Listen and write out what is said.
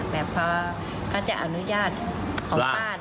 แต่พอเขาจะอนุญาตของป้า